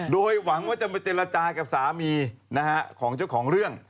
โดยหวังว่าจะมาเจรจากับสามีของเจ้าของเรื่อง